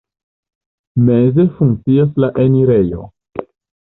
Meze funkcias la enirejo.